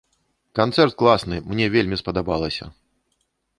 Канцэрт класны, мне вельмі спадабалася!